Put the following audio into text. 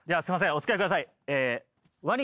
お付き合いください。